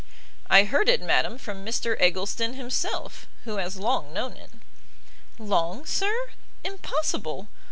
"I heard it, madam, from Mr Eggleston himself, who has long known it." "Long, sir? impossible!